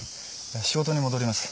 仕事に戻ります。